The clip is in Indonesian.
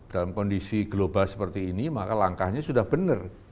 dalam kondisi global seperti ini maka langkahnya sudah benar